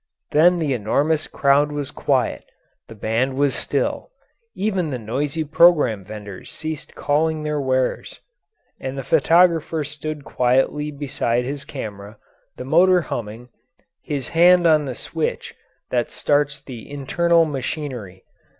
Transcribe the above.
Then the enormous crowd was quiet, the band was still, even the noisy programme venders ceased calling their wares, and the photographer stood quietly beside his camera, the motor humming, his hand on the switch that starts the internal machinery.